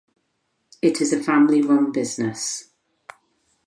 It is a family-run business.